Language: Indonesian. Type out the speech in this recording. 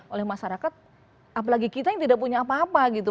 oleh masyarakat apalagi kita yang tidak punya apa apa gitu